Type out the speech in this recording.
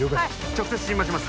直接心マします